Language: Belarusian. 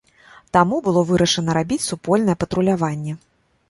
Таму было вырашана рабіць супольнае патруляванне.